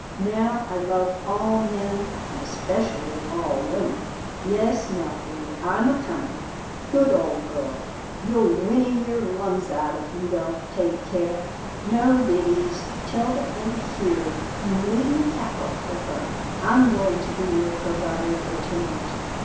Now I love all men, and especially all women — Yes, Milkweed, I'm a coming. Good old girl — you'll whinny your lungs out, if you don't take care — No, biddies, 'Tilda ain't here. You needn't cackle for her. I'm going to be your provider for to night."